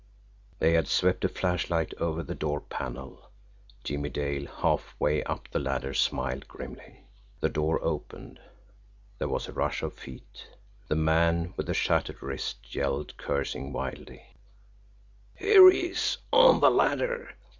They had swept a flashlight over the door panel Jimmie Dale, halfway up the ladder, smiled grimly. The door opened there was a rush of feet. The man with the shattered wrist yelled, cursing wildly: "Here he is on the ladder!